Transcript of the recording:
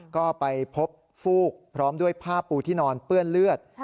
ก็ไปพบฟูกพร้อมด้วยผ้าปูที่นอนเปื้อนเลือด